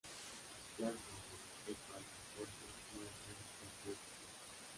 Janson con respecto al San Jorge no es algo fortuito.